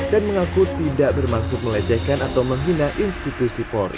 dan mengaku tidak bermaksud melecehkan atau menghina institusi polri